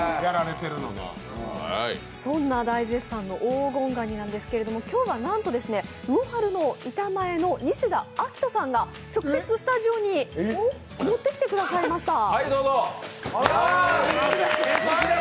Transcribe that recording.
そんな大絶賛の黄金ガニなんですけれども、今日はなんとうおはるの板前の西田章人さんが直接スタジオに持ってきてくださいました。